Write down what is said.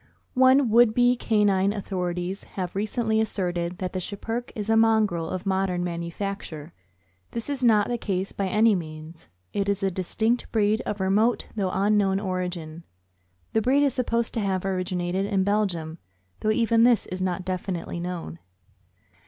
OME would be canine authorities have recently as serted that the Schipperke is a mongrel of modern manufacture. This is not the case by any means. It is a distinct breed, of remote though unknown origin. The breed is supposed to have originated in Belgium, though even this is not definitely known.